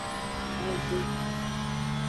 Honvi.